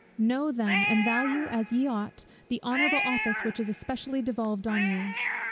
Know then, and value as ye ought, the honourable office which is especially devolved on you.